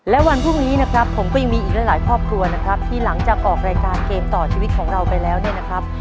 และวันพรุ่งนี้นะครับผมก็ยังมีอีกหลายครอบครัวนะครับที่หลังจากออกรายการเกมต่อชีวิตของเราไปแล้วเนี่ยนะครับ